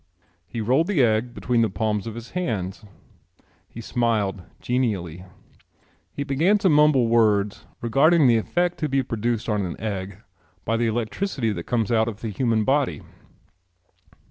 He rolled the egg between the palms of his hands. He smiled genially. He began to mumble words regarding the effect to be produced on an egg by the electricity that comes out of the human body.